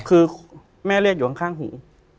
คือแม่เลือดอยู่ข้างหู